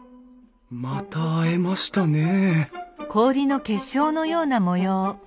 また会えましたねえ